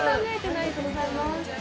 ありがとうございます。